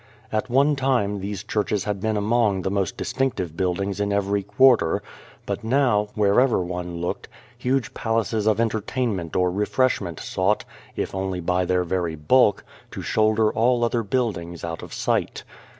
At one time these churches had 244 A World Without a Child been among the most distinctive buildings in , every quarter, but now, wherever one looked, huge palaces of entertainment or refreshment sought if only by their very bulk to shoulder all other buildings out of sight.